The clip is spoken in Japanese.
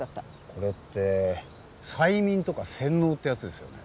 これって催眠とか洗脳ってやつですよね。